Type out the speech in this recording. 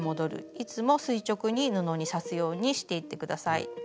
いつも垂直に布に刺すようにしていって下さい。